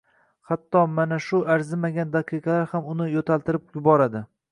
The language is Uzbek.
Hatto mana shu arzimagan daqiqalar ham uni yo`taltirib yuboradi